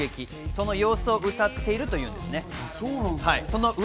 その様子を歌っているというんですね。